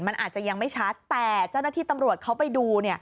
มันอาจจะยังไม่ชัดแต่เจ้าหน้าที่ตำรวจเขาไปดู